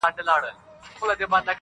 o فقير نه يمه سوالگر دي اموخته کړم.